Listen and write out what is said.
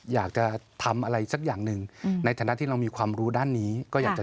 อยากจะทำอะไรสักอย่างหนึ่งในฐานะที่เรามีความรู้ด้านนี้ก็อยากจะ